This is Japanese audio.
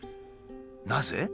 なぜ？